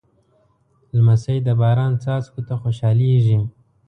لمسی د باران څاڅکو ته خوشحالېږي.